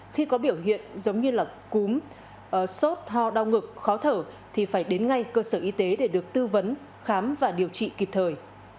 khi có biểu hiện giống như là cúm sốt ho đau ngực khó thở thì phải đến ngay cơ sở y tế để được tư vấn khám và điều trị kịp thời